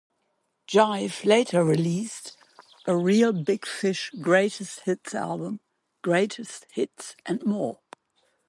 Jive later released a Reel Big Fish greatest hits album, "Greatest Hit...And More".